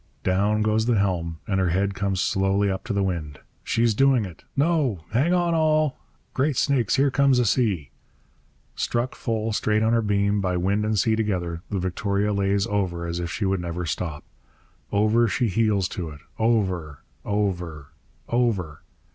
Down goes the helm, and her head comes slowly up to the wind. 'She's doing it No! Hang on, all! Great snakes, here comes a sea!' Struck full, straight on her beam, by wind and sea together, the Victoria lays over as if she would never stop. Over she heels to it over, over, over!